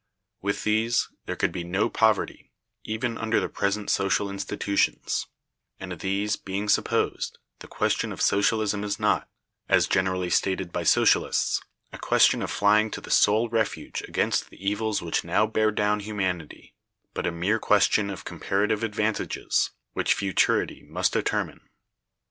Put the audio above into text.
With these, there could be no poverty, even under the present social institutions: and, these being supposed, the question of socialism is not, as generally stated by Socialists, a question of flying to the sole refuge against the evils which now bear down humanity, but a mere question of comparative advantages, which futurity must determine.